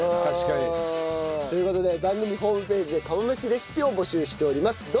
確かに。という事で番組ホームページで釜飯レシピを募集しております。